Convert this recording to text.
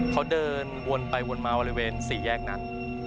เขาเดินวนไปวนมาบริเวณสี่แยกนั้น